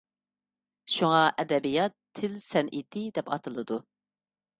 شۇڭا ئەدەبىيات تىل سەنئىتى دەپ ئاتىلىدۇ.